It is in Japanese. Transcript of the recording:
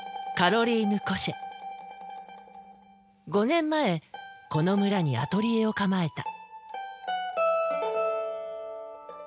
５年前この村にアトリエを構えた。